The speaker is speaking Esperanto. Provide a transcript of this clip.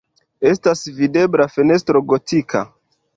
Estas videbla fenestro gotika.